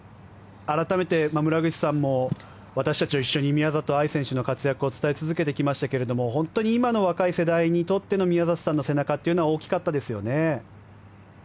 改めて村口さんも私たちと一緒に宮里藍選手の活躍を伝え続けてきましたが本当に今の若い世代にとっての宮里さんの背中というのは大きかったですよね。